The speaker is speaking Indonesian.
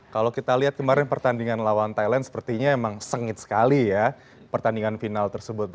kalau kita lihat kemarin pertandingan lawan thailand sepertinya emang sengit sekali ya pertandingan final tersebut